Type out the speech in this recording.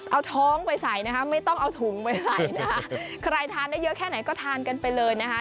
เอาท้องไปใส่นะคะไม่ต้องเอาถุงไปใส่นะคะใครทานได้เยอะแค่ไหนก็ทานกันไปเลยนะคะ